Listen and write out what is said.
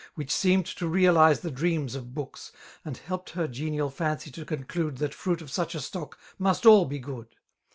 Which seemed to realize the dreams of booksr. And helped her genial fancy to conclude That fruit of such^a stock must all be good.